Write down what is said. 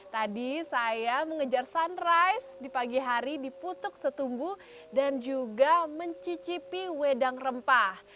tadi saya mengejar sunrise di pagi hari di putuk setumbu dan juga mencicipi wedang rempah